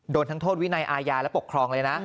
โดนทั้งโทษวินัยอาญาและปกครองเลยนะ